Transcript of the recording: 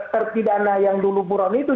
terpidana yang dulu buron itu